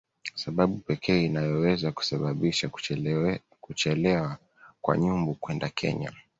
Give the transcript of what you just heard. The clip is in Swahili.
sababu pekee inayoweza kusababisha kuchelewa kwa Nyumbu kwenda Kenya